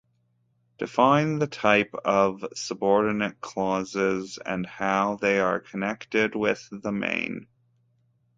Define the type of subordinate clauses and how they are connected with the main